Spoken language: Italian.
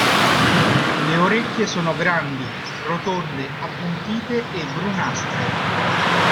Le orecchie sono grandi, rotonde, appuntite e brunastre.